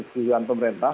atas persetujuan pemerintah